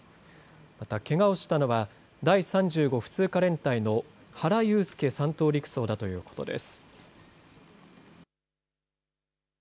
またけがをしたのは第３５普通科連隊の原悠介３等陸曹だということです。